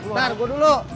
ntar gua dulu